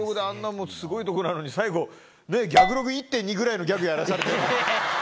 もうスゴいとこなのに最後ギャグログ１．２ぐらいのギャグやらされて。